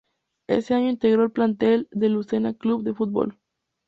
Ese año integró el plantel del Lucena Club de Fútbol.